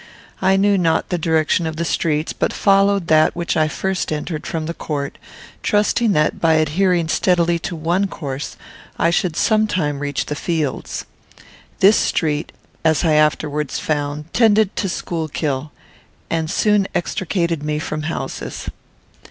I knew not the direction of the streets; but followed that which I first entered from the court, trusting that, by adhering steadily to one course, I should some time reach the fields. This street, as I afterwards found, tended to Schuylkill, and soon extricated me from houses.